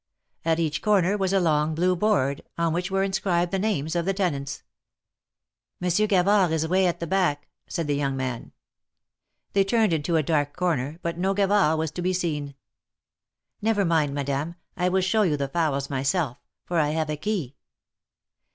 At each corner was a long blue board, on which were inscribed the names of the tenants. Monsieur Gavard is way at the back," said the young man. They turned into a dark corner, but no Gavard was to be seen. Never mind, Madame. I will show you the fowls myself, for I have a key."